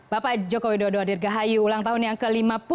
bapak joko widodo adirgahayu ulang tahun yang ke lima puluh lima